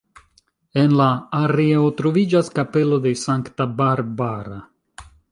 En la areo troviĝas kapelo de sankta Barbara.